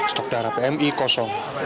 stok darah pmi kosong